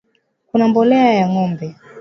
Kuna mbolea ya ngombe